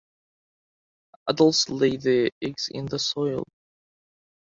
Adults lay their eggs in the soil.